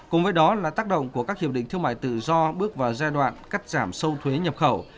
cùng với đó là tác động của các hiệp định thương mại tự do bước vào giai đoạn cắt giảm sâu thuế nhập khẩu